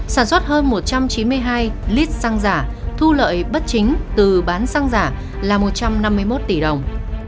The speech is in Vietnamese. sản xuất hơn một trăm chín mươi hai lít xăng giả thu lợi bất chính từ bán xăng giả là một trăm năm mươi một tỷ đồng